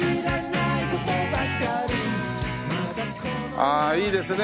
ああいいですね